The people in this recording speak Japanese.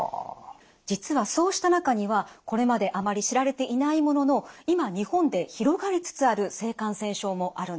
実はそうした中にはこれまであまり知られていないものの今日本で広がりつつある性感染症もあるんです。